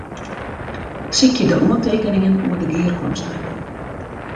Sykje de oantekeningen oer de gearkomste.